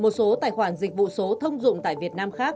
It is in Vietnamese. một số tài khoản dịch vụ số thông dụng tại việt nam khác